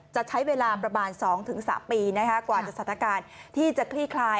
จะใช้เวลาประมาณ๒๓ปีกว่าจะสถานการณ์ที่จะคลี่คลาย